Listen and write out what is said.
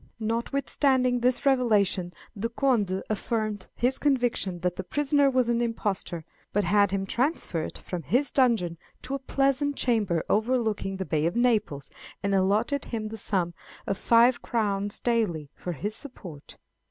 Notwithstanding this revelation, the Conde affirmed his conviction that "the prisoner was an impostor;" but had him transferred from his dungeon to a pleasant chamber overlooking the Bay of Naples, and allotted him the sum of five crowns daily for his support.